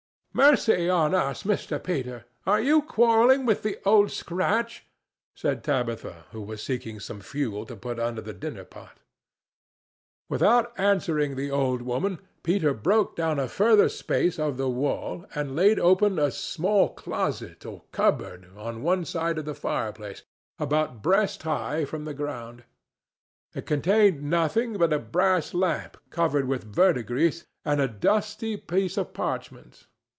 "Mercy on us, Mr. Peter! Are you quarrelling with the Old Scratch?" said Tabitha, who was seeking some fuel to put under the dinner pot. Without answering the old woman, Peter broke down a further space of the wall, and laid open a small closet or cupboard on one side of the fireplace, about breast high from the ground. It contained nothing but a brass lamp covered with verdigris, and a dusty piece of parchment.